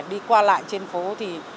đi qua lại trên phố thì